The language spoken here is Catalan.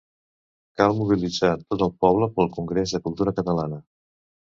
Cal mobilitzar tot el poble pel Congrés de Cultura Catalana.